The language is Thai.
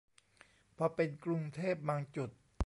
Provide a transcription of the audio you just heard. พอเป็นกรุงเทพบางจุด